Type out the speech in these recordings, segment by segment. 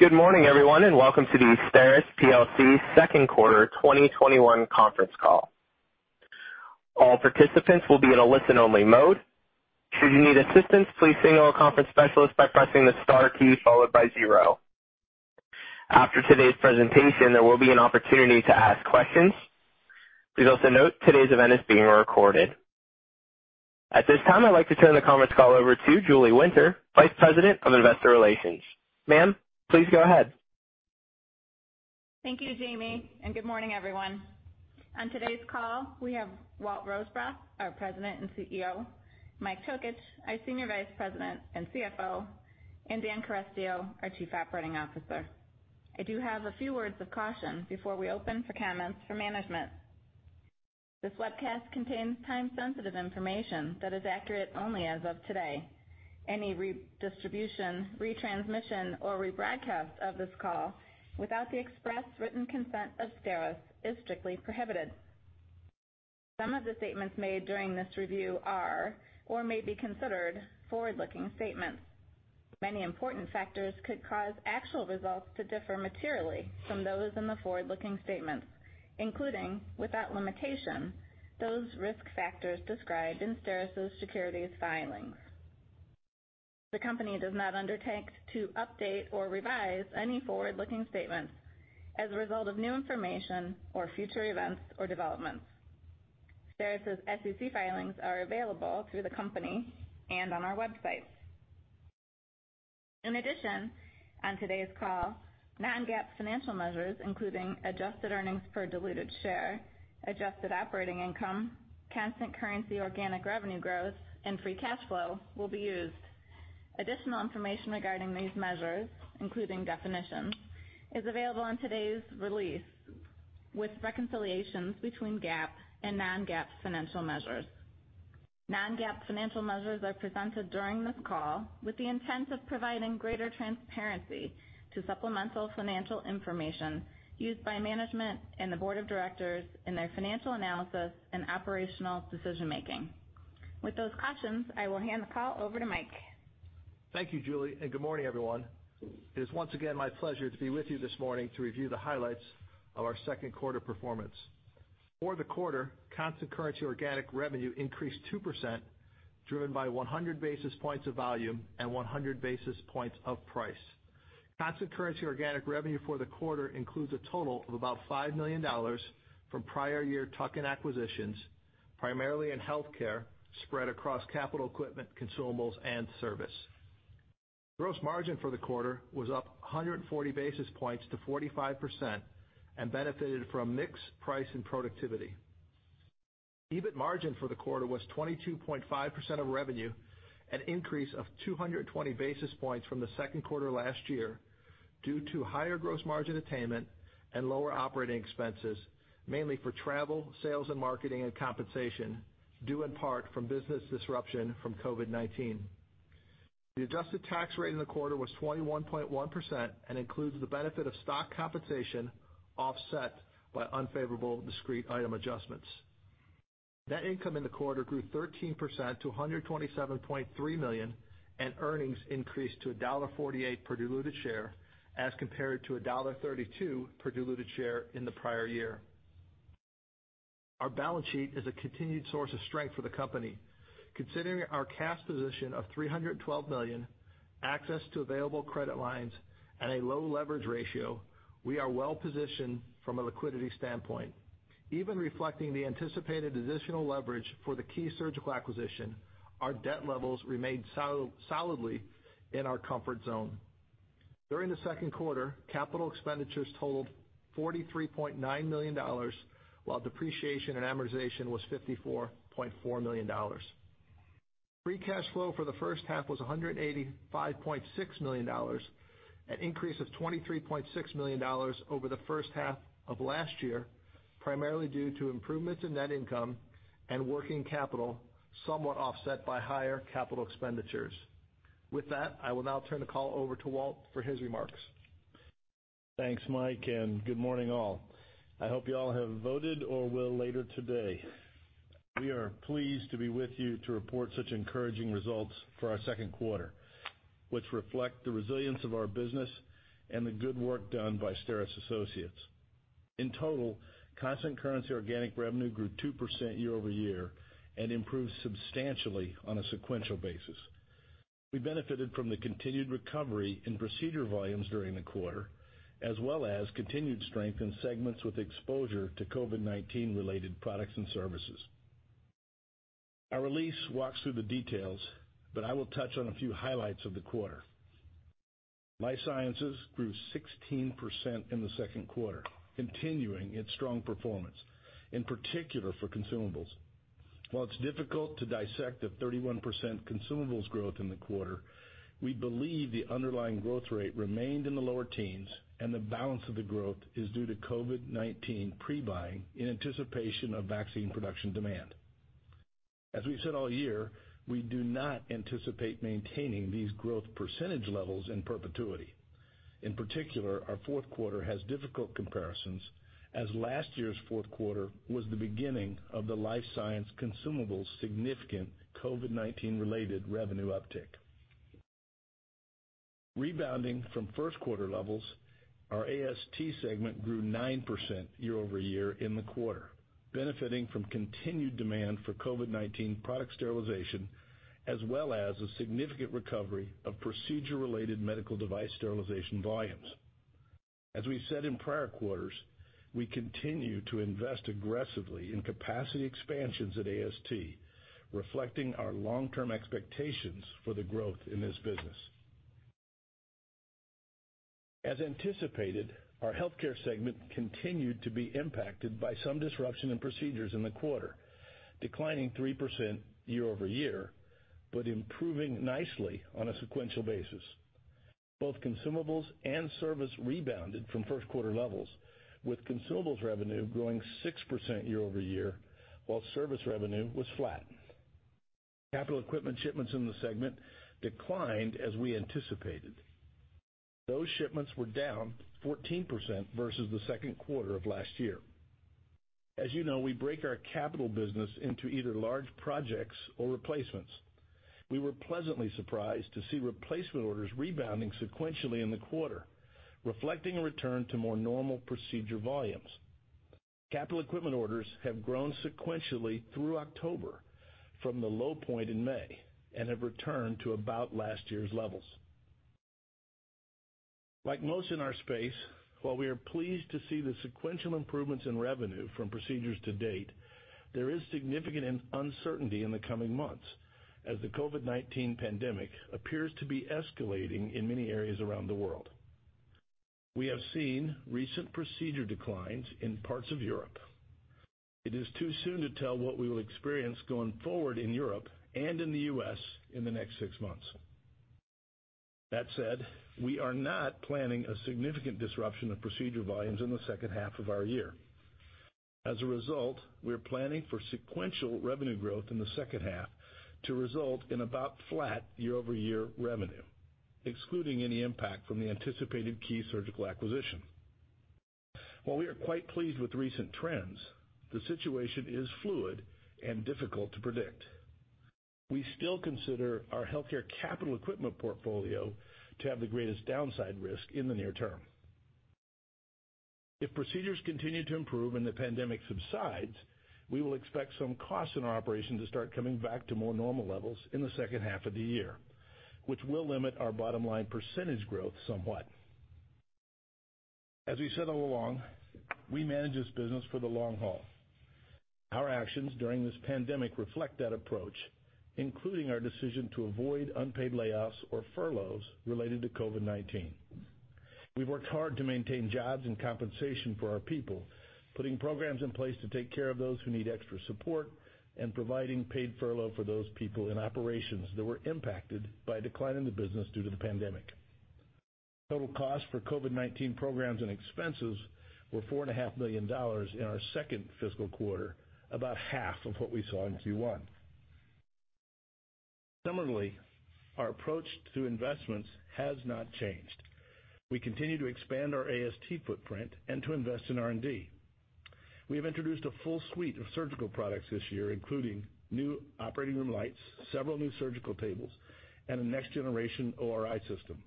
Good morning, everyone, and welcome to the STERIS PLC second quarter 2021 Conference Call. All participants will be in a listen-only mode. Should you need assistance, please signal a conference specialist by pressing the star key followed by zero. After today's presentation, there will be an opportunity to ask questions. Please also note today's event is being recorded. At this time, I'd like to turn the conference call over to Julie Winter, Vice President of Investor Relations. Ma'am, please go ahead. Thank you, Jamie, and good morning, everyone. On today's call, we have Walt Rosebrough, our President and CEO, Mike Tokich, our Senior Vice President and CFO, and Dan Carestio, our Chief Operating Officer. I do have a few words of caution before we open for comments from management. This webcast contains time-sensitive information that is accurate only as of today. Any redistribution, retransmission, or rebroadcast of this call without the express written consent of STERIS is strictly prohibited. Some of the statements made during this review are or may be considered forward-looking statements. Many important factors could cause actual results to differ materially from those in the forward-looking statements, including, without limitation, those risk factors described in STERIS' securities filings. The company does not undertake to update or revise any forward-looking statements as a result of new information or future events or developments. STERIS' SEC filings are available through the company and on our website. In addition, on today's call, Non-GAAP financial measures, including adjusted earnings per diluted share, adjusted operating income, constant currency organic revenue growth, and free cash flow, will be used. Additional information regarding these measures, including definitions, is available in today's release with reconciliations between GAAP and Non-GAAP financial measures. Non-GAAP financial measures are presented during this call with the intent of providing greater transparency to supplemental financial information used by management and the board of directors in their financial analysis and operational decision-making. With those cautions, I will hand the call over to Mike. Thank you, Julie, and good morning, everyone. It is once again my pleasure to be with you this morning to review the highlights of our second quarter performance. For the quarter, constant currency organic revenue increased 2%, driven by 100 basis points of volume and 100 basis points of price. Constant currency organic revenue for the quarter includes a total of about $5 million from prior year tuck-in acquisitions, primarily in Healthcare, spread across capital equipment, consumables, and service. Gross margin for the quarter was up 140 basis points to 45% and benefited from mix, price and productivity. EBIT margin for the quarter was 22.5% of revenue, an increase of 220 basis points from the second quarter last year due to higher gross margin attainment and lower operating expenses, mainly for travel, sales and marketing, and compensation due in part from business disruption from COVID-19. The adjusted tax rate in the quarter was 21.1% and includes the benefit of stock compensation offset by unfavorable discrete item adjustments. Net income in the quarter grew 13% to $127.3 million, and earnings increased to $1.48 per diluted share as compared to $1.32 per diluted share in the prior year. Our balance sheet is a continued source of strength for the company. Considering our cash position of $312 million, access to available credit lines, and a low leverage ratio, we are well-positioned from a liquidity standpoint. Even reflecting the anticipated additional leverage for the Key Surgical acquisition, our debt levels remained solidly in our comfort zone. During the second quarter, capital expenditures totaled $43.9 million, while depreciation and amortization was $54.4 million. Free cash flow for the first half was $185.6 million, an increase of $23.6 million over the first half of last year, primarily due to improvements in net income and working capital somewhat offset by higher capital expenditures. With that, I will now turn the call over to Walt for his remarks. Thanks, Mike, and good morning, all. I hope you all have voted or will later today. We are pleased to be with you to report such encouraging results for our second quarter, which reflect the resilience of our business and the good work done by STERIS Associates. In total, constant currency organic revenue grew 2% year over year and improved substantially on a sequential basis. We benefited from the continued recovery in procedure volumes during the quarter, as well as continued strength in segments with exposure to COVID-19-related products and services. Our release walks through the details, but I will touch on a few highlights of the quarter. Life Sciences grew 16% in the second quarter, continuing its strong performance, in particular for consumables. While it's difficult to dissect the 31% consumables growth in the quarter, we believe the underlying growth rate remained in the lower teens, and the balance of the growth is due to COVID-19 pre-buying in anticipation of vaccine production demand. As we've said all year, we do not anticipate maintaining these growth percentage levels in perpetuity. In particular, our fourth quarter has difficult comparisons, as last year's fourth quarter was the beginning of the Life Science consumables' significant COVID-19-related revenue uptake. Rebounding from first quarter levels, our AST segment grew 9% year over year in the quarter, benefiting from continued demand for COVID-19 product sterilization, as well as a significant recovery of procedure-related medical device sterilization volumes. As we've said in prior quarters, we continue to invest aggressively in capacity expansions at AST, reflecting our long-term expectations for the growth in this business. As anticipated, our Healthcare segment continued to be impacted by some disruption in procedures in the quarter, declining 3% year over year, but improving nicely on a sequential basis. Both consumables and service rebounded from first quarter levels, with consumables revenue growing 6% year over year, while service revenue was flat. Capital equipment shipments in the segment declined as we anticipated. Those shipments were down 14% versus the second quarter of last year. As we break our capital business into either large projects or replacements. We were pleasantly surprised to see replacement orders rebounding sequentially in the quarter, reflecting a return to more normal procedure volumes. Capital equipment orders have grown sequentially through October from the low point in May and have returned to about last year's levels. Like most in our space, while we are pleased to see the sequential improvements in revenue from procedures to date, there is significant uncertainty in the coming months as the COVID-19 pandemic appears to be escalating in many areas around the world. We have seen recent procedure declines in parts of Europe. It is too soon to tell what we will experience going forward in Europe and in the U.S. in the next six months. That said, we are not planning a significant disruption of procedure volumes in the second half of our year. As a result, we're planning for sequential revenue growth in the second half to result in about flat year-over-year revenue, excluding any impact from the anticipated Key Surgical acquisition. While we are quite pleased with recent trends, the situation is fluid and difficult to predict. We still consider our Healthcare capital equipment portfolio to have the greatest downside risk in the near term. If procedures continue to improve and the pandemic subsides, we will expect some costs in our operation to start coming back to more normal levels in the second half of the year, which will limit our bottom-line percentage growth somewhat. As we said all along, we manage this business for the long haul. Our actions during this pandemic reflect that approach, including our decision to avoid unpaid layoffs or furloughs related to COVID-19. We've worked hard to maintain jobs and compensation for our people, putting programs in place to take care of those who need extra support and providing paid furlough for those people in operations that were impacted by declining the business due to the pandemic. Total costs for COVID-19 programs and expenses were $4.5 million in our second fiscal quarter, about half of what we saw in first quarter. Similarly, our approach to investments has not changed. We continue to expand our AST footprint and to invest in R&D. We have introduced a full suite of surgical products this year, including new operating room lights, several new surgical tables, and a next-generation OR integration system.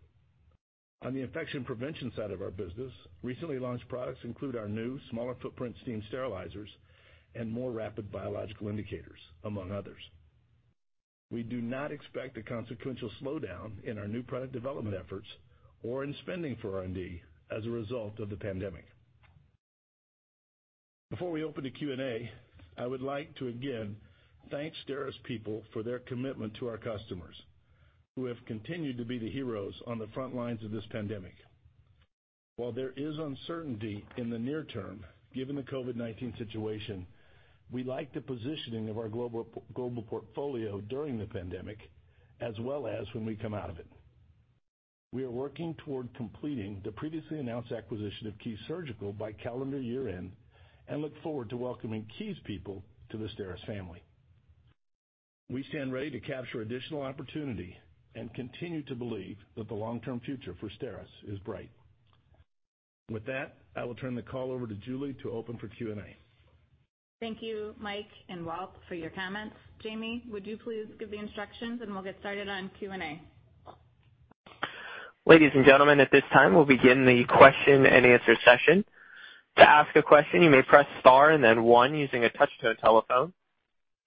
On the infection prevention side of our business, recently launched products include our new smaller-footprint steam sterilizers and more rapid biological indicators, among others. We do not expect a consequential slowdown in our new product development efforts or in spending for R&D as a result of the pandemic. Before we open to Q&A, I would like to again thank STERIS people for their commitment to our customers, who have continued to be the heroes on the front lines of this pandemic. While there is uncertainty in the near term given the COVID-19 situation, we like the positioning of our global portfolio during the pandemic as well as when we come out of it. We are working toward completing the previously announced acquisition of Key Surgical by calendar year-end and look forward to welcoming Key's people to the STERIS family. We stand ready to capture additional opportunity and continue to believe that the long-term future for STERIS is bright. With that, I will turn the call over to Julie to open for Q&A. Thank you, Mike and Walt, for your comments. Jamie, would you please give the instructions, and we'll get started on Q&A. Ladies and gentlemen, at this time, we'll begin the question-and-answer session. To ask a question, you may press Star and then One using a touch-tone telephone.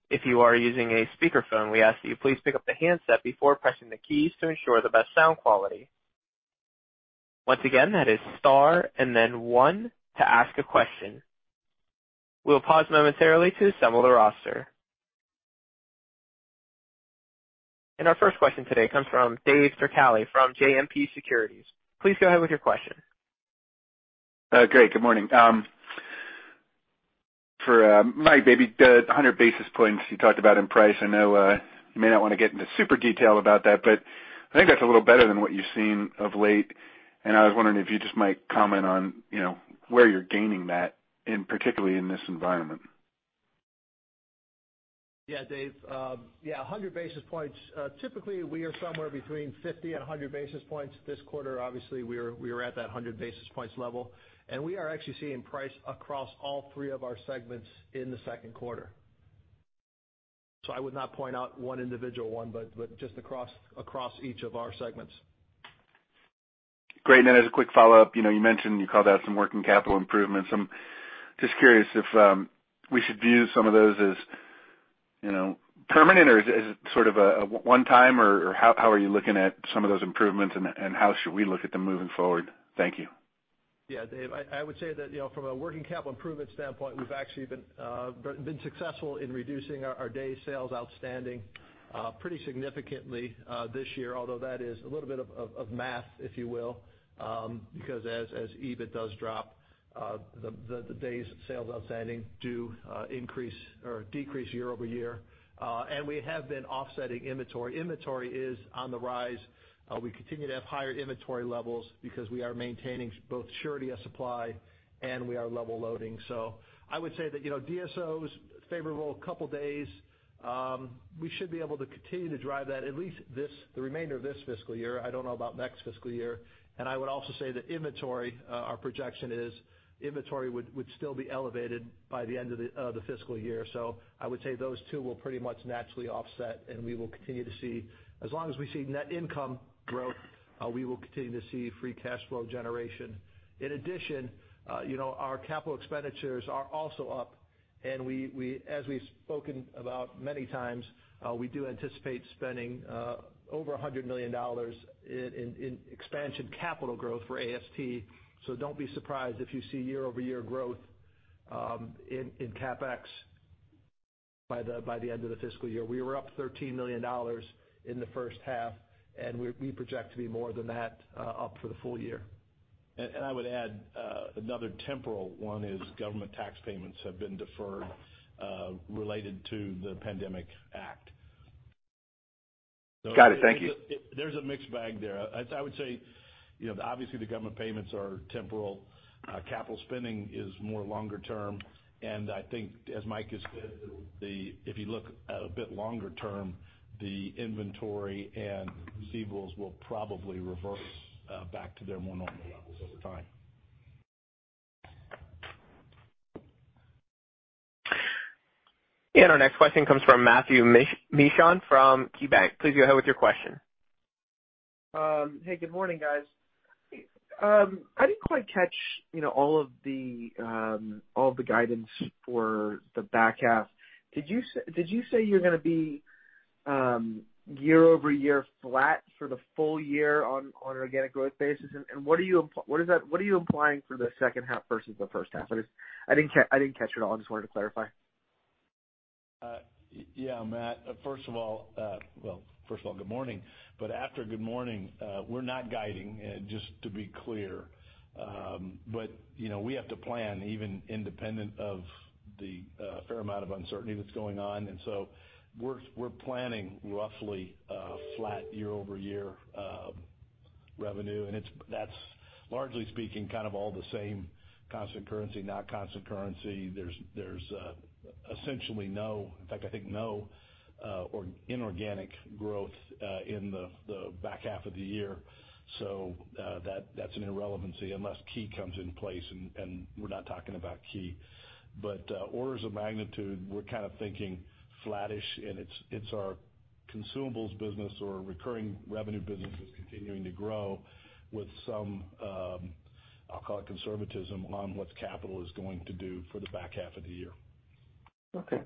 If you are using a speakerphone, we ask that you please pick up the handset before pressing the keys to ensure the best sound quality. Once again, that is Star and then One to ask a question. We'll pause momentarily to assemble the roster, and our first question today comes from David Turkaly from JMP Securities. Please go ahead with your question. Great. Good morning. For Mike, maybe the 100 basis points you talked about in price, I know, you may not want to get into super detail about that, but that's a little better than what you've seen of late, and I was wondering if you just might comment on where you're gaining that, and particularly in this environment? Yeah, Dave. Yeah, 100 basis points. Typically, we are somewhere between 50 and 100 basis points this quarter. Obviously, we're at that 100 basis points level, and we are actually seeing price across all three of our segments in the second quarter. So I would not point out one individual one, but just across each of our segments. Great. And as a quick follow-up you mentioned you called out some working capital improvements. I'm just curious if we should view some of those as permanent or as sort of a one-time or how are you looking at some of those improvements and how should we look at them moving forward? Thank you. Yeah, Dave. I would say that from a working capital improvement standpoint, we've actually been successful in reducing our days sales outstanding, pretty significantly, this year, although that is a little bit of math, if you will, because as EBIT does drop, the days sales outstanding do increase or decrease year over year, and we have been offsetting inventory. Inventory is on the rise. We continue to have higher inventory levels because we are maintaining both surety of supply and we are level loading. So I would say that DSO is favorable couple days, we should be able to continue to drive that at least the remainder of this fiscal year. I don't know about next fiscal year. I would also say that inventory, our projection is inventory would still be elevated by the end of the fiscal year. So I would say those two will pretty much naturally offset, and we will continue to see as long as we see net income growth, we will continue to see free cash flow generation. In addition, our capital expenditures are also up, and we as we've spoken about many times, we do anticipate spending over $100 million in expansion capital growth for AST. So don't be surprised if you see year-over-year growth in CapEx by the end of the fiscal year. We were up $13 million in the first half, and we project to be more than that, up for the full year. I would add, another temporal one is government tax payments have been deferred, related to the pandemic act. Got it. Thank you. There's a mixed bag there. I would say, obviously, the government payments are temporary. Capital spending is more longer term. As Mike has said, then if you look at a bit longer term, the inventory and receivables will probably reverse back to their more normal levels over time. Our next question comes from Matthew Mishan from KeyBanc. Please go ahead with your question. Hey, good morning, guys. first of all, good morning. But after good morning, we're not guiding, just to be clear, but we have to plan even independent of the fair amount of uncertainty that's going on. And so we're planning roughly flat year-over-year revenue. And that's largely speaking kind of all the same constant currency, not constant currency. There's essentially no, in fact, no, or inorganic growth in the back half of the year. So that's an irrelevancy unless Key comes in place, and we're not talking about Key. But orders of magnitude, we're kind of thinking flattish, and it's our consumables business or recurring revenue business that's continuing to grow with some, I'll call it conservatism on what capital is going to do for the back half of the year. Okay.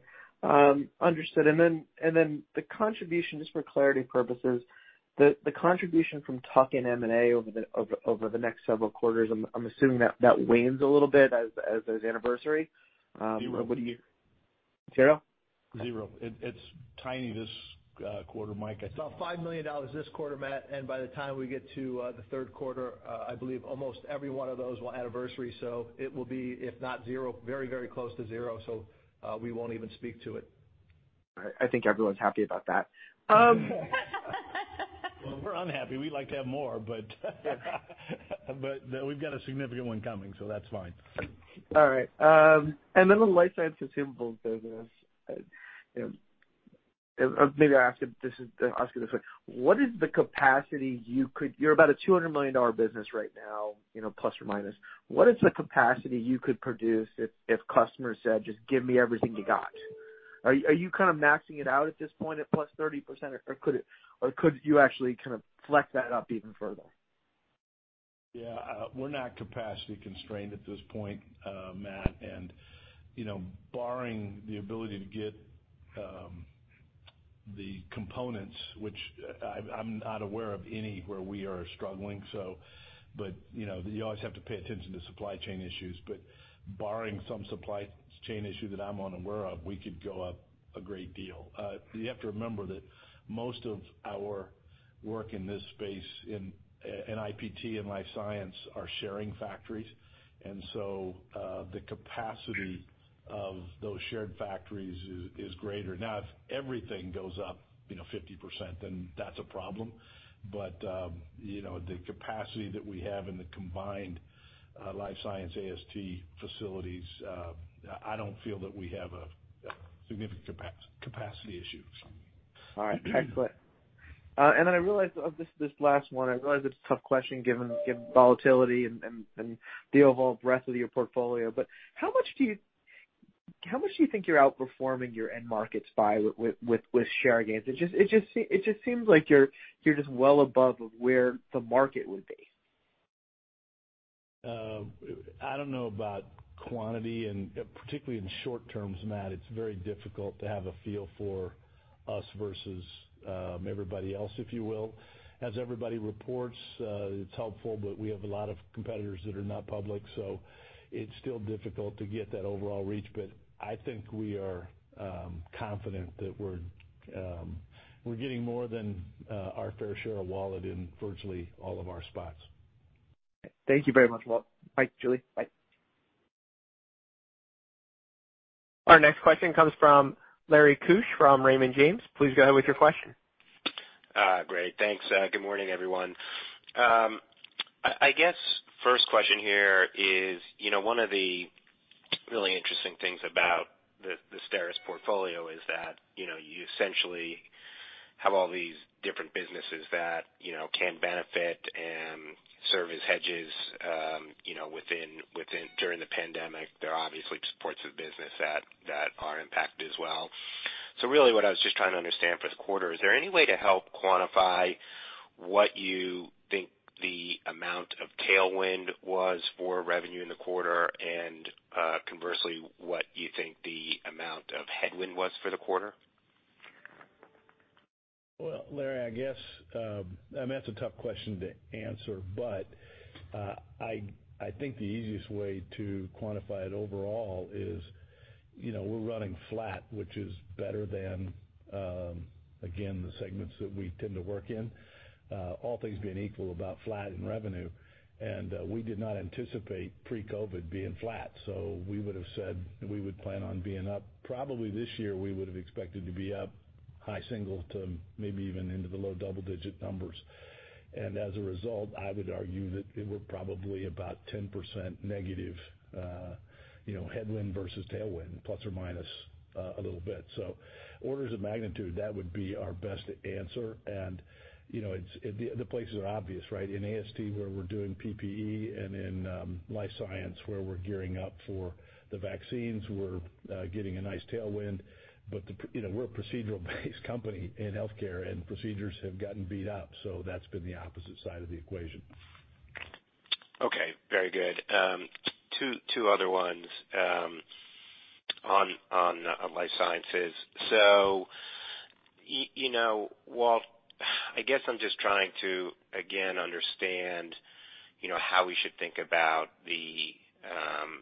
Understood. And then the contribution, just for clarity purposes, the contribution from tuck-in and M&A over the next several quarters, I'm assuming that wanes a little bit as there's anniversary. What do you mean? Zero. It's tiny this quarter, Mike. It's about $5 million this quarter, Matt. And by the time we get to the Q3, I believe almost every one of those will anniversary. So it will be, if not zero, very, very close to zero. So, we won't even speak to it. All right. I think everyone's happy about that. Well, we're unhappy. We'd like to have more, but we've got a significant one coming, so that's fine. All right. And then the Life Sciences consumables business, maybe I'll ask it this way. What is the capacity? You're about a $200 million business right now, plus or minus. What is the capacity you could produce if customers said, "Just give me everything you got"? Are you kind of maxing it out at this point at plus 30%, or could you actually kind of flex that up even further? Yeah. We're not capacity constrained at this point, Matt, and barring the ability to get the components, which I'm not aware of anywhere we are struggling. So, but you always have to pay attention to supply chain issues. But barring some supply chain issue that I'm unaware of, we could go up a great deal. You have to remember that most of our work in this space in IPT and Life Science are sharing factories, and so the capacity of those shared factories is greater. Now, if everything goes up 50%, then that's a problem. But the capacity that we have in the combined Life Science AST facilities, I don't feel that we have a significant capacity issue. All right. Excellent, and then I realize this last one. I realize it's a tough question given volatility and the overall breadth of your portfolio. But how much do you think you're outperforming your end markets by with share gains? It just seems like you're just well above where the market would be. I don't know about quantity and particularly in short terms, Matt. It's very difficult to have a feel for us versus everybody else, if you will. As everybody reports, it's helpful, but we have a lot of competitors that are not public, so it's still difficult to get that overall reach. But we are confident that we're getting more than our fair share of wallet in virtually all of our spots. Thank you very much, Walt. Mike, Julie, Mike. Our next question comes from Larry Keusch from Raymond James. Please go ahead with your question. Great. Thanks. Good morning, everyone. I guess first question here is, one of the really interesting things about the STERIS portfolio is that, you essentially have all these different businesses that can benefit and serve as hedges within during the pandemic. There are obviously supports of business that are impacted as well. So really, what I was just trying to understand for the quarter, is there any way to help quantify what you think the amount of tailwind was for revenue in the quarter and, conversely, what you think the amount of headwind was for the quarter? Larry, I guess, that's a tough question to answer, but the easiest way to quantify it overall is we're running flat, which is better than, again, the segments that we tend to work in, all things being equal, about flat in revenue. And we did not anticipate pre-COVID being flat. So we would have said we would plan on being up. Probably this year, we would have expected to be up high single to maybe even into the low double-digit numbers. And as a result, I would argue that we're probably about 10% negative headwind versus tailwind, plus or minus a little bit. So orders of magnitude, that would be our best answer. And it's the places are obvious, right? In AST, where we're doing PPE, and in Life Science, where we're gearing up for the vaccines, we're getting a nice tailwind. But we're a procedural-based company in Healthcare, and procedures have gotten beat up. So that's been the opposite side of the equation. Okay. Very good. Two other ones on Life Sciences. So Walt, I guess I'm just trying to, again, understand, how we should think about the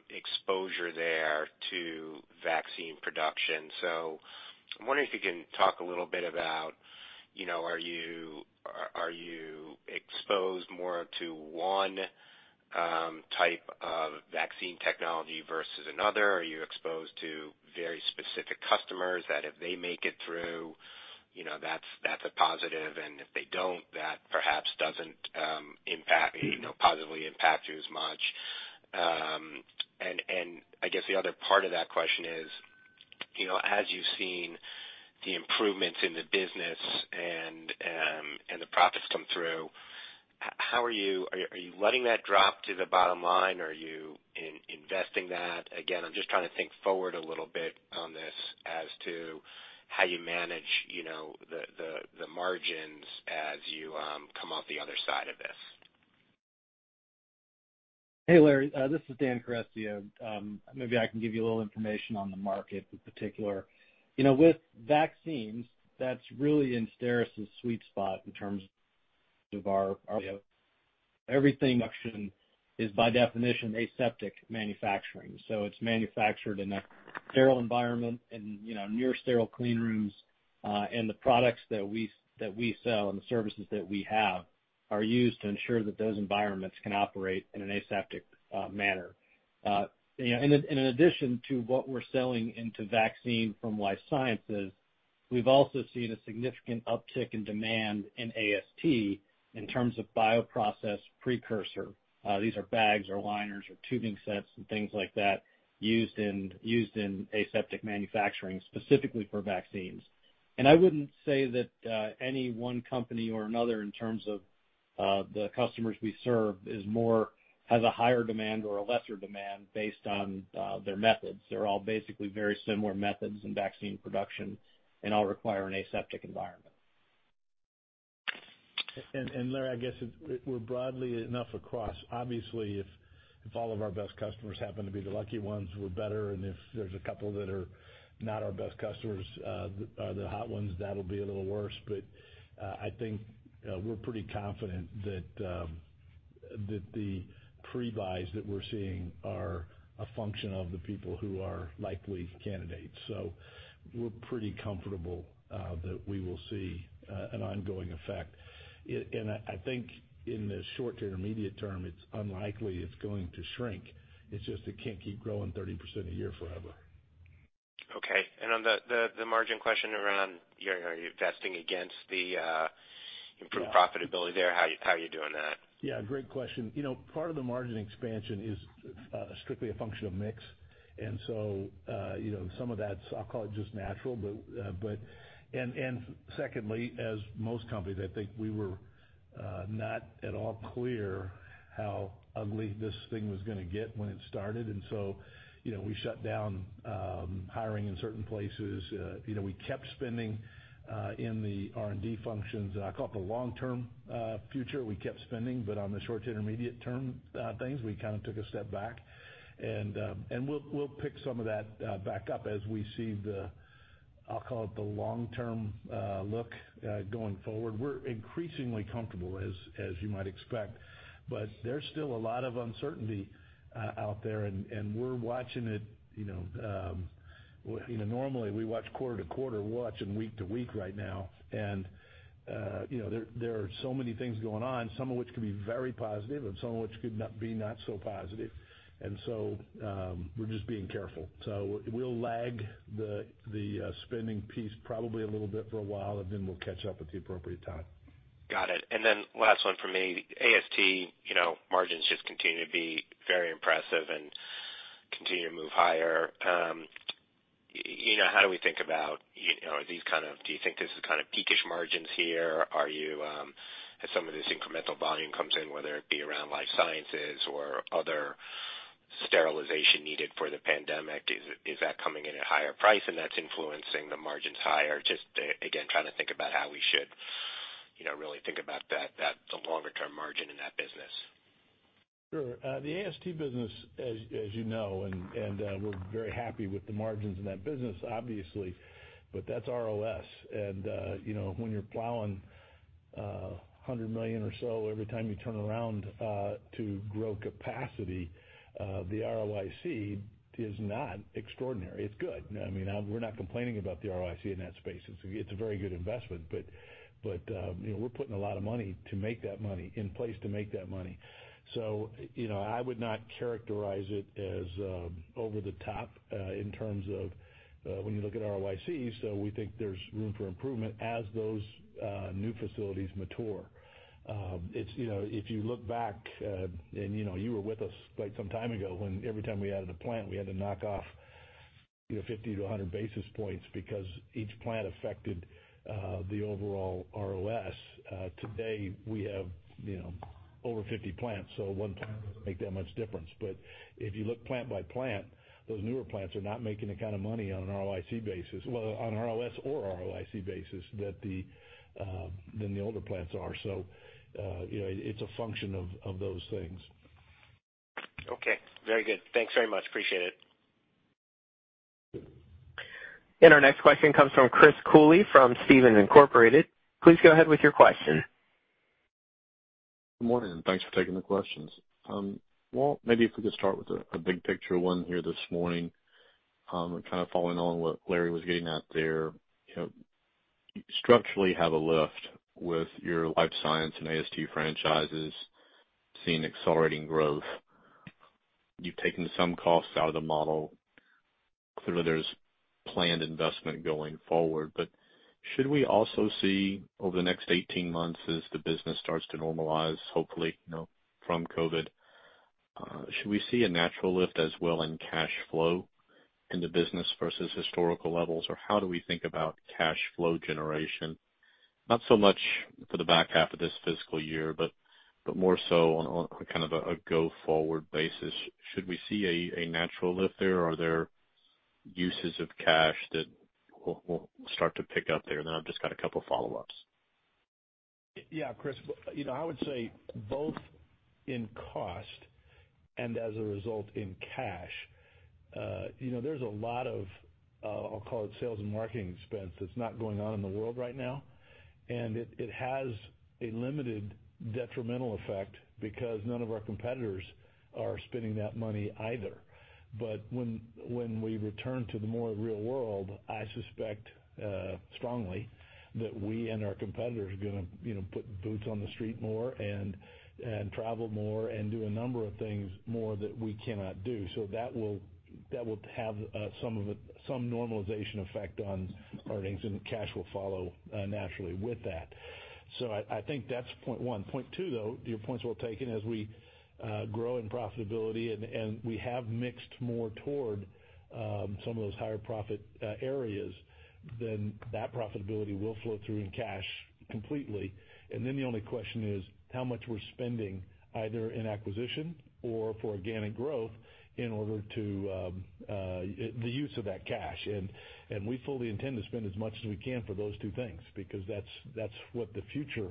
exposure there to vaccine production. So I'm wondering if you can talk a little bit about, are you exposed more to one type of vaccine technology versus another? Are you exposed to very specific customers that if they make it through, that's a positive? And if they don't, that perhaps doesn't impact positively impact you as much. And I guess the other part of that question is, as you've seen the improvements in the business and the profits come through, how are you letting that drop to the bottom line, or are you investing that? Again, I'm just trying to think forward a little bit on this as to how you manage the margins as you come off the other side of this. Hey, Larry. This is Dan Carestio. Maybe I can give you a little information on the market in particular. With vaccines, that's really in STERIS's sweet spot in terms of our everything is by definition aseptic manufacturing. So it's manufactured in a sterile environment and near sterile clean rooms, and the products that we sell and the services that we have are used to ensure that those environments can operate in an aseptic manner. In addition to what we're selling into vaccine from Life Sciences, we've also seen a significant uptick in demand in AST in terms of bioprocessing consumables. These are bags or liners or tubing sets and things like that used in aseptic manufacturing specifically for vaccines. And I wouldn't say that any one company or another in terms of the customers we serve is more has a higher demand or a lesser demand based on their methods. They're all basically very similar methods in vaccine production and all require an aseptic environment. And, Larry, I guess we're broadly enough across. Obviously, if all of our best customers happen to be the lucky ones, we're better. And if there's a couple that are not our best customers are the hot ones, that'll be a little worse. But we're pretty confident that the prebuys that we're seeing are a function of the people who are likely candidates. So we're pretty comfortable that we will see an ongoing effect. In the short to intermediate term, it's unlikely it's going to shrink.It's just, it can't keep growing 30% a year forever. Okay, and on the margin question around you're investing against the improved profitability there, how are you doing that? Yeah. Great question. Part of the margin expansion is strictly a function of mix. And some of that's, I'll call it just natural, but and secondly, as most companies, we were not at all clear how ugly this thing was going to get when it started. And so we shut down hiring in certain places. We kept spending in the R&D functions. I call it the long-term future. We kept spending. But on the short to intermediate term things, we kind of took a step back. And we'll pick some of that back up as we see the, I'll call it the long-term look going forward. We're increasingly comfortable, as you might expect. But there's still a lot of uncertainty out there. We're watching it. Normally, we watch quarter to quarter. We're watching week to week right now. There are so many things going on, some of which could be very positive and some of which could not be so positive. We're just being careful. We'll lag the spending piece probably a little bit for a while, and then we'll catch up at the appropriate time. Got it. And then last one for me. AST, margins just continue to be very impressive and continue to move higher. How do we think about these kind of, do you think this is kind of peakish margins here? Are you, as some of this incremental volume comes in, whether it be around Life Sciences or other sterilization needed for the pandemic, is that coming in at higher price and that's influencing the margins higher? Just, again, trying to think about how we should really think about that the longer-term margin in that business. Sure. The AST business and we're very happy with the margins in that business, obviously, but that's ROS. When you're plowing $100 million or so every time you turn around to grow capacity, the ROIC is not extraordinary. It's good. We're not complaining about the ROIC in that space. It's a very good investment. We're putting a lot of money in place to make that money. I would not characterize it as over the top in terms of when you look at ROICs. We think there's room for improvement as those new facilities mature. If you look back and you were with us quite some time ago when every time we added a plant, we had to knock off 50 to 100 basis points because each plant affected the overall ROS. Today, we have over 50 plants. So one plant doesn't make that much difference. But if you look plant by plant, those newer plants are not making the kind of money on an ROIC basis, well, on ROS or ROIC basis that than the older plants are. So, it's a function of those things. Okay. Very good. Thanks very much. Appreciate it. Our next question comes from Chris Cooley from Stephens Inc. Please go ahead with your question. Good morning. Thanks for taking the questions. Well, maybe if we could start with a big picture one here this morning, and kind of following on what Larry was getting at there. You structurally have a lift with your Life Science and AST franchises, seeing accelerating growth. You've taken some costs out of the model. Clearly, there's planned investment going forward. But should we also see over the next 18 months as the business starts to normalize, hopefully from COVID, should we see a natural lift as well in cash flow in the business versus historical levels? Or how do we think about cash flow generation? Not so much for the back half of this fiscal year, but more so on kind of a go-forward basis. Should we see a natural lift there? Are there uses of cash that will start to pick up there? And then I've just got a couple of follow-ups. Yeah, Chris. I would say both in cost and as a result in cash. There's a lot of, I'll call it sales and marketing expense that's not going on in the world right now. And it has a limited detrimental effect because none of our competitors are spending that money either. But when we return to the more real world, I suspect, strongly that we and our competitors are going to put boots on the street more and travel more and do a number of things more that we cannot do. So that will have some normalization effect on earnings, and cash will follow, naturally with that. So that's point one. Point two, though, your point's well taken. As we grow in profitability and we have moved more toward some of those higher profit areas, then that profitability will flow through in cash completely. And then the only question is how much we're spending either in acquisition or for organic growth in order to use that cash. And we fully intend to spend as much as we can for those two things because that's what the future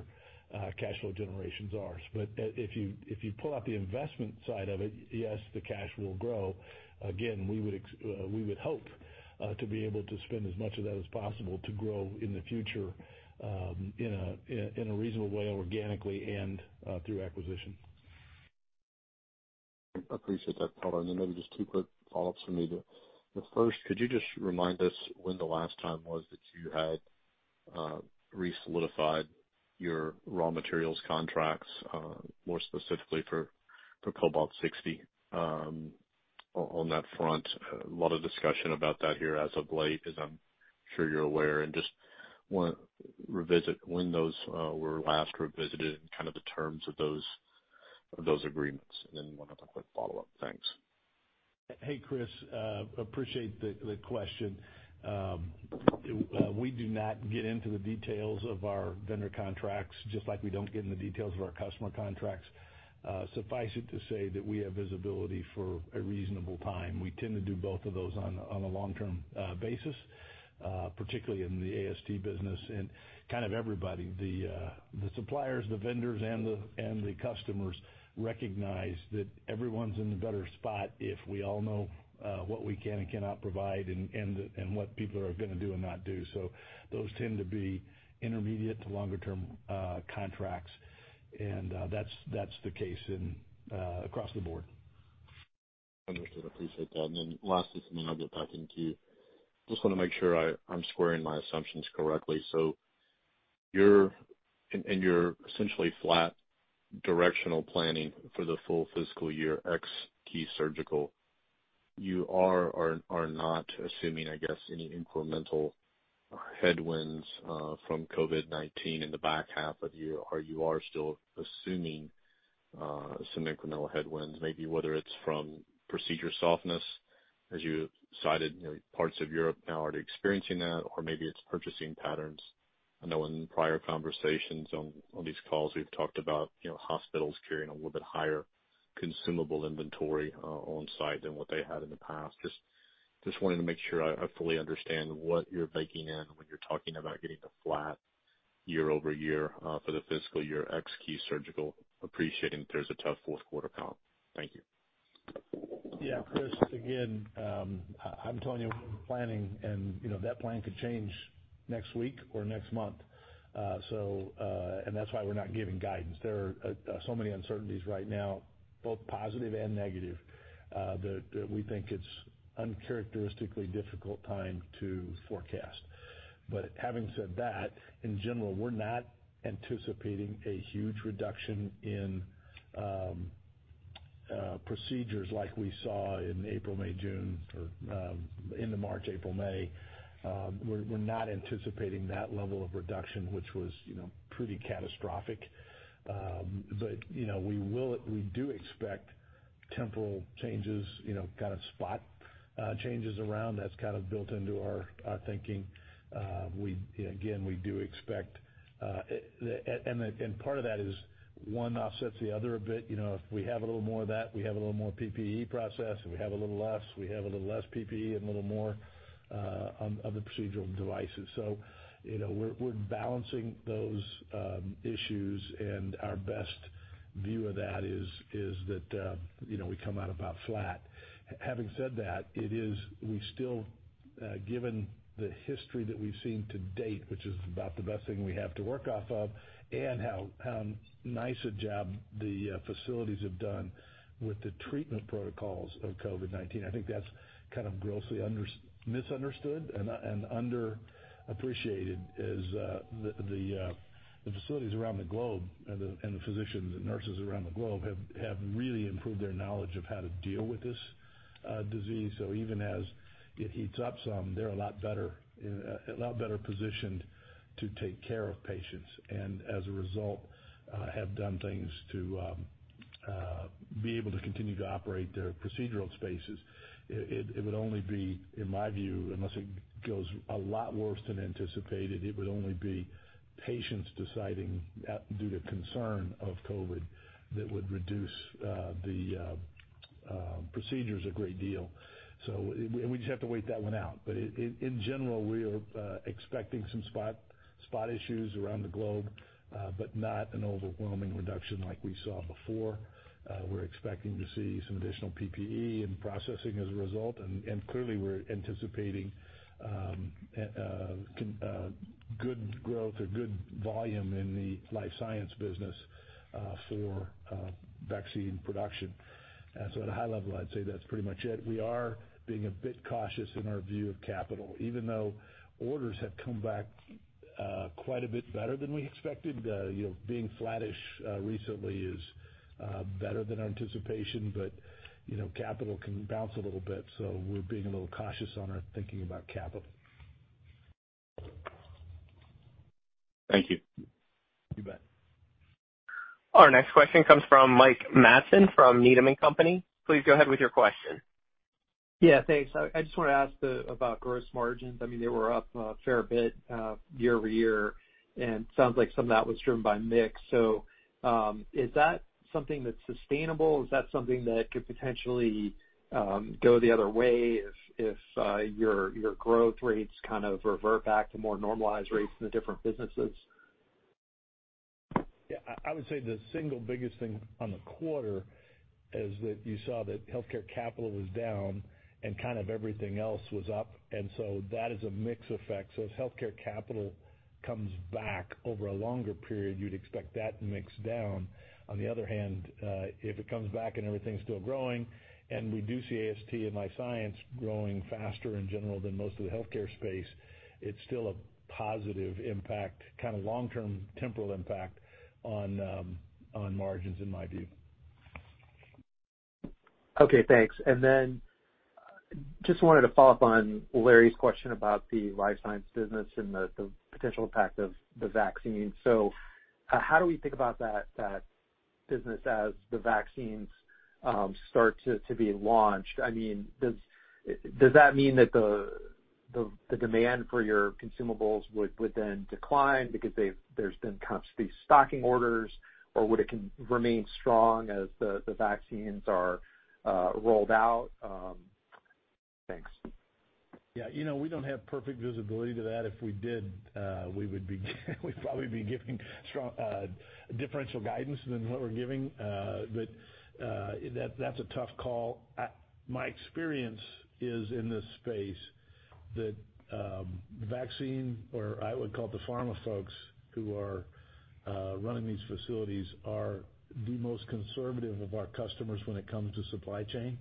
cash flow generations are. But if you pull out the investment side of it, yes, the cash will grow. Again, we would hope to be able to spend as much of that as possible to grow in the future, in a reasonable way, organically, and through acquisition. I appreciate that, Walt. And then maybe just two quick follow-ups from me too. The first, could you just remind us when the last time was that you had re-solidified your raw materials contracts, more specifically for Cobalt 60, on that front? A lot of discussion about that here as of late, as I'm sure you're aware. And just want to revisit when those were last revisited and kind of the terms of those agreements. And then one other quick follow-up. Thanks. Hey, Chris. Appreciate the question. We do not get into the details of our vendor contracts just like we don't get into the details of our customer contracts. Suffice it to say that we have visibility for a reasonable time. We tend to do both of those on a long-term basis, particularly in the AST business, and kind of everybody, the suppliers, the vendors, and the customers recognize that everyone's in a better spot if we all know what we can and cannot provide and what people are going to do and not do, so those tend to be intermediate to longer-term contracts. That's the case across the board. Understood. Appreciate that. And then lastly, something I'll get back into. Just want to make sure I'm squaring my assumptions correctly. So you're essentially flat directional planning for the full fiscal year, ex Key Surgical. You are not assuming, I guess, any incremental headwinds from COVID-19 in the back half of the year. Are you still assuming some incremental headwinds, maybe whether it's from procedure softness, as you cited, parts of Europe now are experiencing that, or maybe it's purchasing patterns. I know in prior conversations on these calls, we've talked about, hospitals carrying a little bit higher consumable inventory on site than what they had in the past. Just wanted to make sure I fully understand what you're baking in when you're talking about getting a flat year-over-year, for the fiscal year, ex Key Surgical, appreciating there's a tough fourth quarter coming. Thank you. Yeah, Chris, again, I'm telling you, we're planning, and that plan could change next week or next month, so and that's why we're not giving guidance. There are so many uncertainties right now, both positive and negative, that we think it's uncharacteristically difficult time to forecast, but having said that, in general, we're not anticipating a huge reduction in procedures like we saw in April, May, June, or into March, April, May. We're not anticipating that level of reduction, which was pretty catastrophic, but we do expect temporal changes, kind of spot changes around. That's kind of built into our thinking. We again do expect, and part of that is one offsets the other a bit. If we have a little more of that, we have a little more PPE processing. If we have a little less, we have a little less PPE and a little more of the procedural devices. So, we're balancing those issues. And our best view of that is that we come out about flat. Having said that, it is we still, given the history that we've seen to date, which is about the best thing we have to work off of, and how nice a job the facilities have done with the treatment protocols of COVID-19, that's kind of grossly misunderstood and underappreciated is, the facilities around the globe and the physicians and nurses around the globe have really improved their knowledge of how to deal with this disease. So even as it heats up some, they're a lot better and a lot better positioned to take care of patients. And as a result, have done things to be able to continue to operate their procedural spaces. It would only be, in my view, unless it goes a lot worse than anticipated, it would only be patients deciding due to concern of COVID that would reduce the procedures a great deal, so we just have to wait that one out. But in general, we are expecting some spot issues around the globe, but not an overwhelming reduction like we saw before. We're expecting to see some additional PPE and processing as a result, and clearly we're anticipating good growth or good volume in the Life Sciences business for vaccine production, and so at a high level, I'd say that's pretty much it. We are being a bit cautious in our view of capital, even though orders have come back quite a bit better than we expected. Being flattish recently is better than anticipation but capital can bounce a little bit so we're being a little cautious on our thinking about capital. Thank you. You bet. Our next question comes from Mike Matson from Needham & Company. Please go ahead with your question. Yeah, thanks. I just want to ask about gross margins. They were up a fair bit, year over year. And it sounds like some of that was driven by mix. So, is that something that's sustainable? Is that something that could potentially go the other way if your growth rates kind of revert back to more normalized rates in the different businesses? Yeah. I would say the single biggest thing on the quarter is that you saw that Healthcare capital was down and kind of everything else was up. And so that is a mix effect. So if Healthcare capital comes back over a longer period, you'd expect that mix down. On the other hand, if it comes back and everything's still growing and we do see AST and Life Science growing faster in general than most of the Healthcare space, it's still a positive impact, kind of long-term temporal impact on margins in my view. Okay. Thanks. And then just wanted to follow up on Larry's question about the Life Sciences business and the potential impact of the vaccine. So, how do we think about that business as the vaccines start to be launched? Does that mean that the demand for your consumables would then decline because there's been kind of these stocking orders, or would it can remain strong as the vaccines are rolled out? Thanks. Yeah. We don't have perfect visibility to that. If we did, we'd probably be giving strong, differential guidance than what we're giving. But that's a tough call. My experience is in this space that vaccine or I would call it the pharma folks who are running these facilities are the most conservative of our customers when it comes to supply chain.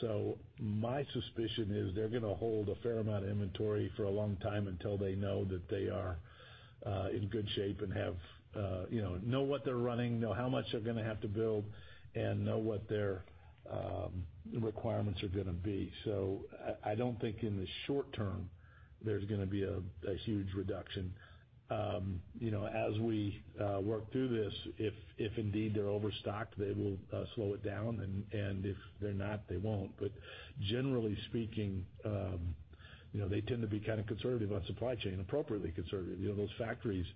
So my suspicion is they're going to hold a fair amount of inventory for a long time until they know that they are in good shape and have, know what they're running, know how much they're going to have to build, and know what their requirements are going to be. So I don't think in the short term there's going to be a huge reduction. As we work through this, if indeed they're overstocked, they will slow it down. And if they're not, they won't. But generally speaking, they tend to be kind of conservative on supply chain, appropriately conservative. Those factories,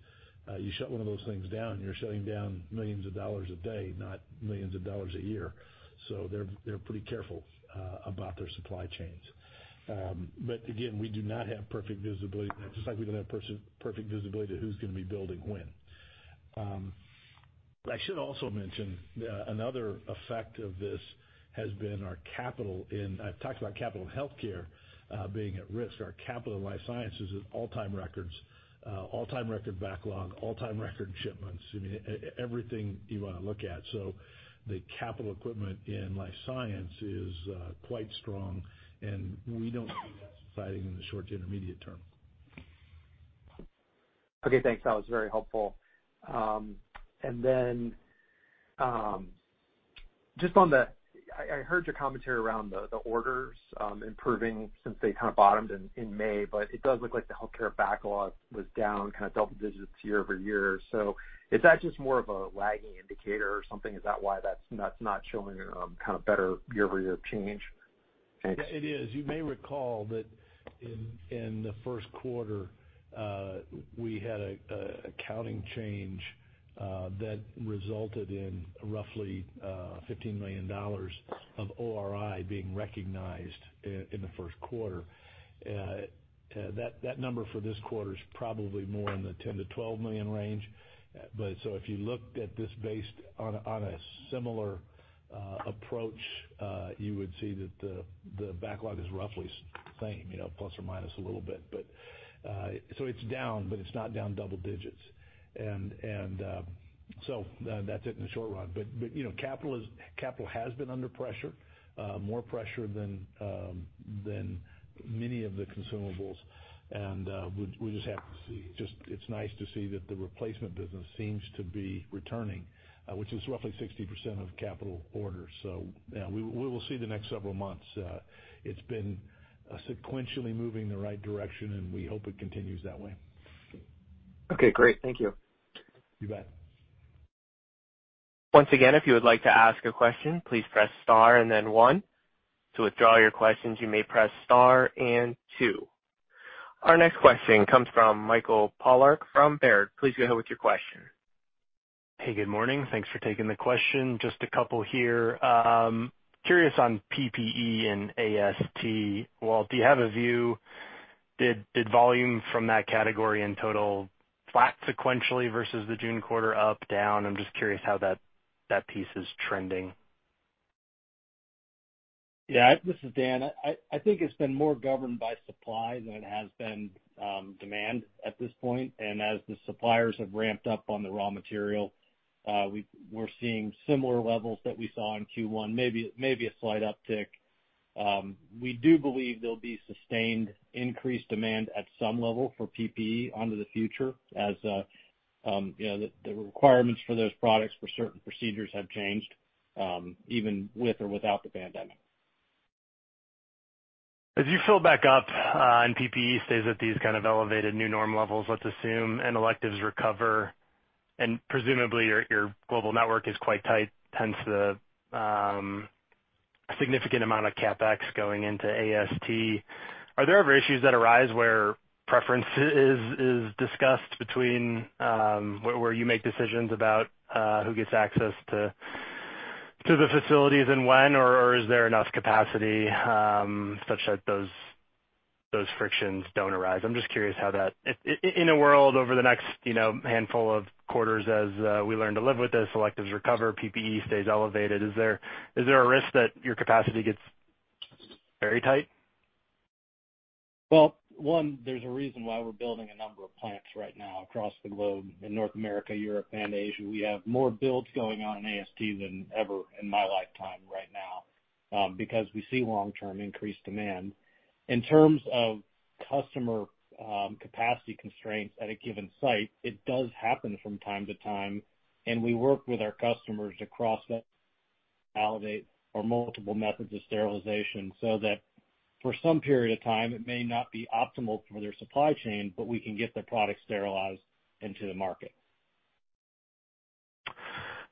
you shut one of those things down, you're shutting down millions of dollars a day, not millions of dollars a year. So they're pretty careful about their supply chains. But again, we do not have perfect visibility, just like we don't have perfect visibility to who's going to be building when. I should also mention that another effect of this has been our capital in. I've talked about capital in Healthcare, being at risk. Our capital in Life Sciences is at all-time records, all-time record backlog, all-time record shipments. Everything you want to look at. The capital equipment in Life Sciences is quite strong. We don't see that declining in the short- to intermediate-term. Okay. Thanks. That was very helpful. And then, just on the, I heard your commentary around the orders, improving since they kind of bottomed in May. But it does look like the Healthcare backlog was down kind of double digits year over year. So is that just more of a lagging indicator or something? Is that why that's not showing, kind of better year-over-year change? Thanks. Yeah, it is. You may recall that in the first quarter, we had an accounting change that resulted in roughly $15 million of orders being recognized in the first quarter. That number for this quarter is probably more in the $10-$12 million range. But so if you looked at this based on a similar approach, you would see that the backlog is roughly the same plus or minus a little bit. But so it's down, but it's not down double digits. And so that's it in the short run. But capital has been under pressure, more pressure than many of the consumables. And we just have to see. It's nice to see that the replacement business seems to be returning, which is roughly 60% of capital orders. So, yeah, we will see the next several months. It's been sequentially moving the right direction, and we hope it continues that way. Okay. Great. Thank you. You bet. Once again, if you would like to ask a question, please press star and then one. To withdraw your questions, you may press star and two. Our next question comes from Michael Polark from Baird. Please go ahead with your question. Hey, good morning. Thanks for taking the question. Just a couple here. Curious on PPE and AST. Well, do you have a view? Did volume from that category in total flat sequentially versus the June quarter up, down? I'm just curious how that piece is trending. Yeah. This is Dan. It's been more governed by supply than it has been, demand at this point. And as the suppliers have ramped up on the raw material, we're seeing similar levels that we saw in first quarter, maybe a slight uptick. We do believe there'll be sustained increased demand at some level for PPE onto the future as the requirements for those products for certain procedures have changed, even with or without the pandemic. As you fill back up, and PPE stays at these kind of elevated new norm levels, let's assume, and electives recover, and presumably your global network is quite tight, hence the significant amount of CapEx going into AST, are there ever issues that arise where preference is discussed between, where you make decisions about, who gets access to the facilities and when? Or is there enough capacity, such that those frictions don't arise? I'm just curious how that in a world over the next handful of quarters as we learn to live with this, electives recover, PPE stays elevated, is there a risk that your capacity gets very tight? One, there's a reason why we're building a number of plants right now across the globe in North America, Europe, and Asia. We have more builds going on in AST than ever in my lifetime right now, because we see long-term increased demand. In terms of customer, capacity constraints at a given site, it does happen from time to time. And we work with our customers to cross-validate or multiple methods of sterilization so that for some period of time, it may not be optimal for their supply chain, but we can get their product sterilized into the market.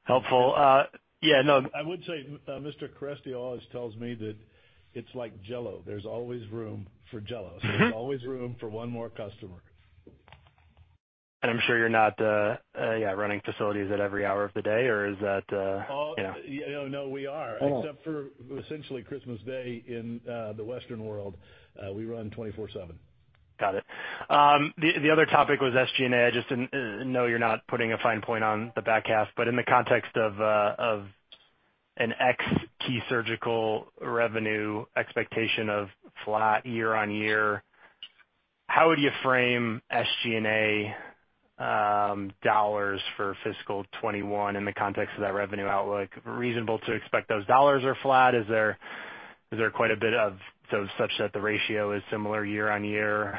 Helpful. Yeah. No, I would say, Mr. Carestio always tells me that it's like Jell-O. There's always room for Jell-O. So there's always room for one more customer. I'm sure you're not, yeah, running facilities at every hour of the day, or is that? Oh, yeah. Yeah. No, no, we are. Except for essentially Christmas Day in the Western world, we run 24/7. Got it. The other topic was SG&A. I just didn't know you're not putting a fine point on the back half. But in the context of an ex-Key Surgical revenue expectation of flat year on year, how would you frame SG&A dollars for fiscal 2021 in the context of that revenue outlook? Reasonable to expect those dollars are flat? Is there quite a bit of so such that the ratio is similar year on year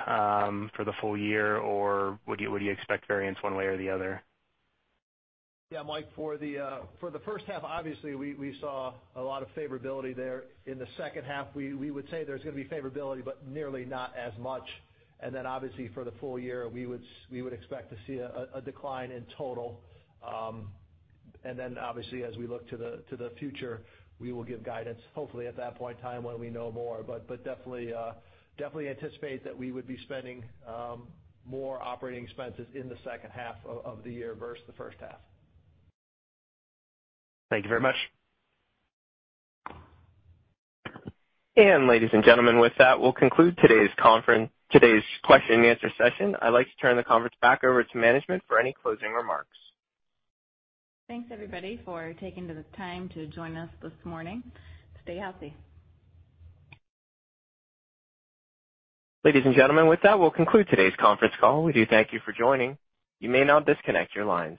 for the full year? Or would you expect variance one way or the other? Yeah. Mike, for the first half, obviously, we saw a lot of favorability there. In the second half, we would say there's going to be favorability, but nearly not as much, and then obviously for the full year, we would expect to see a decline in total, and then obviously as we look to the future, we will give guidance, hopefully at that point in time when we know more. But definitely anticipate that we would be spending more operating expenses in the second half of the year versus the first half. Thank you very much. Ladies and gentlemen, with that, we'll conclude today's conference call's question and answer session. I'd like to turn the conference back over to management for any closing remarks. Thanks, everybody, for taking the time to join us this morning. Stay healthy. Ladies and gentlemen, with that, we'll conclude today's conference call. We do thank you for joining. You may now disconnect your lines.